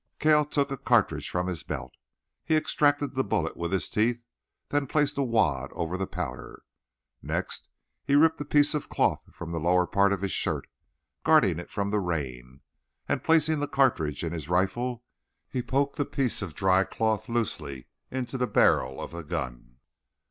Cale took a cartridge from his belt. He extracted the bullet with his teeth, then placed a wad over the powder. Next he ripped a piece of cloth from the lower part of his shirt, guarding it from the rain, and placing the cartridge in his rifle, he poked the piece of dry cloth loosely into the barrel of the gun.